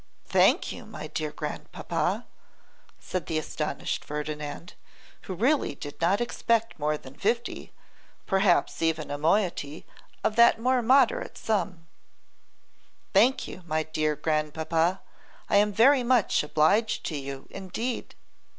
'Thank you, my dear grandpapa,' said the astonished Ferdinand, who really did not expect more than fifty, perhaps even a moiety of that more moderate sum; 'thank you, my dear grandpapa; I am very much obliged to you, indeed.